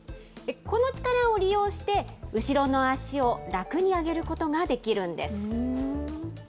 この力を利用して、後ろの足を楽に上げることができるんです。